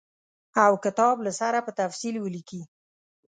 او کتاب له سره په تفصیل ولیکي.